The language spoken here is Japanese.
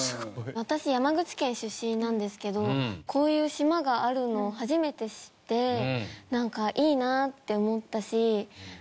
私山口県出身なんですけどこういう島があるのを初めて知ってなんかいいなって思ったし。